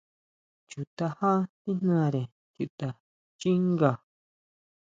Chu tajá tíjnare chuta xchínga.